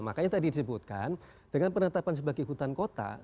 makanya tadi disebutkan dengan penetapan sebagai hutan kota